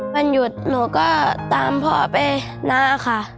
วันหยุดหนูก็ตามพ่อไปน้าค่ะ